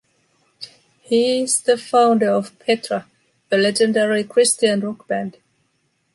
He’s the founder of Petra, the legendary Christian rock band.